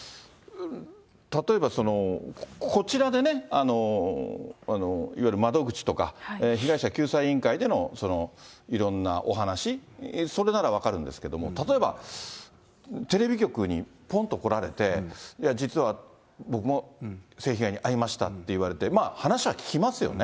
例えばこちらでね、いわゆる窓口とか、被害者救済委員会でのいろんなお話、それなら分かるんですけども、例えばテレビ局にぽんと来られて、いや、実は僕も性被害に遭いましたって言われて、話は聞きますよね。